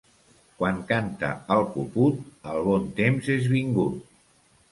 Quan canta el puput, el bon temps és vingut.